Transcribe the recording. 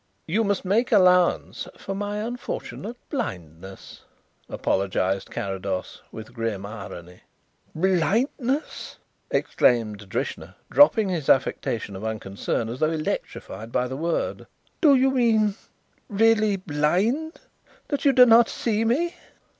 "You must make allowance for my unfortunate blindness," apologized Carrados, with grim irony. "Blindness!" exclaimed Drishna, dropping his affectation of unconcern as though electrified by the word, "do you mean really blind that you do not see me?"